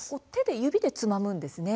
指でつまむんですね。